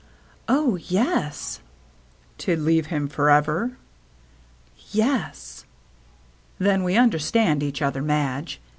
"Oh — yes." " To leave him forever ?"" Yes." " Then we understand each other, Madge.